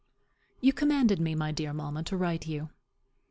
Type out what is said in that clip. You commanded me, my dear mamma, to write to you.